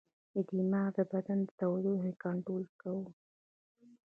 دماغ د بدن د تودوخې کنټرول کوي.